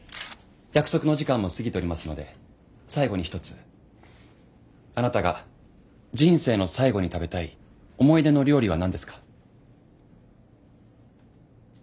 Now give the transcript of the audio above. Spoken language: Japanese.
約束のお時間も過ぎておりますので最後に一つ「あなたが人生の最後に食べたい思い出の料理は何ですか？」。